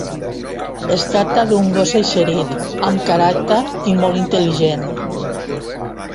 Es tracta d'un gos eixerit, amb caràcter i molt intel·ligent.